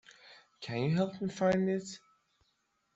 Can you help me find it?